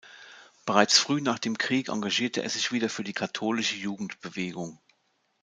Bereits früh nach dem Krieg engagierte er sich wieder für die katholische Jugendbewegung.